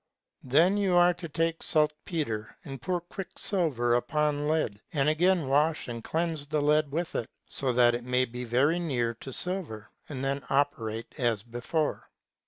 Then you are to take saltpeter, and pour quicksilver upon lead, and again wash and cleanse the lead with it so that it may be very near to silver, and then operate as before.